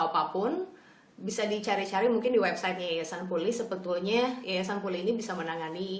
apapun bisa dicari cari mungkin di website yayasan pulih sebetulnya yayasan pulih ini bisa menangani